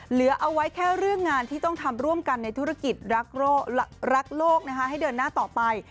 เหลือเอาไว้แค่เรื่องงานที่ต้องทำร่วมกันในธุรกิจรักโลกให้เดินหน้าต่อไป